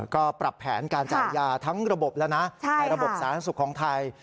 ก็ปรับแผนการจ่ายยาทั้งระบบแล้วนะในระบบสาธารณสุขของไทย